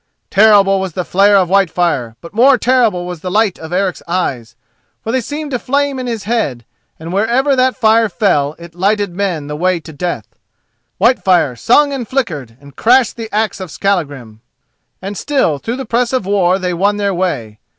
Terrible was the flare of Whitefire; but more terrible was the light of Eric's eyes, for they seemed to flame in his head, and wherever that fire fell it lighted men the way to death. Whitefire sung and flickered, and crashed the axe of Skallagrim, and still through the press of war they won their way.